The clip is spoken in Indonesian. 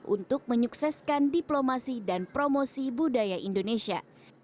untuk menyukseskan diplomasi dan promosi budaya indonesia